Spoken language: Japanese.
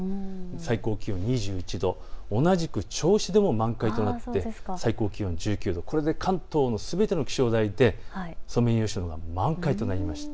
最高気温２１度、同じく銚子でも満開となって最高気温１９度、これで関東のすべての気象台でソメイヨシノが満開となりました。